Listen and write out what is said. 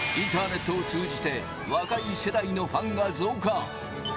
インターネットを通じて若い世代のファンが増加。